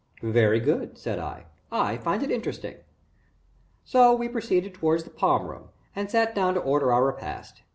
"Very good," said I. "I find it interesting." So we proceeded towards the Palm Room and sat down to order our repast.